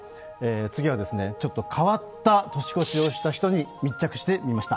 次は、ちょっと変わった年越しをした人に密着してみました。